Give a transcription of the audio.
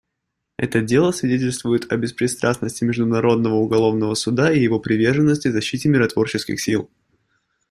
Это дело свидетельствует о беспристрастности Международного уголовного суда и его приверженности защите миротворческих сил.